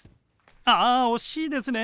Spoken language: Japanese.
あ惜しいですね。